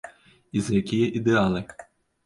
І за якія ідэалы?